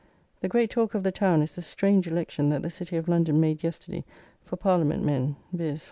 The great talk of the town is the strange election that the City of London made yesterday for Parliament men; viz.